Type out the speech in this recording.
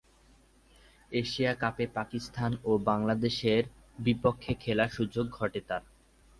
Asia কাপে পাকিস্তান ও বাংলাদেশের বিপক্ষে খেলার সুযোগ ঘটে তার।